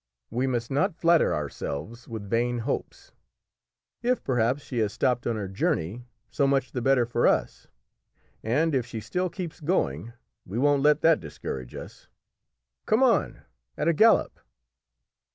We must not flatter ourselves with vain hopes. If, perhaps, she has stopped on her journey, so much the better for us; and if she still keeps going, we won't let that discourage us. Come on at a gallop."